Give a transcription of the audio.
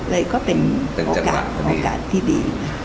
เลยก็เป็นโอกาสที่ดี